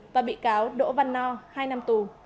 và bị cáo đỗ văn no hai năm tù